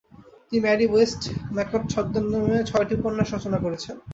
তিনি Mary Westmacott ছদ্মনামে ছয়টি উপন্যাস রচনা করেছেন।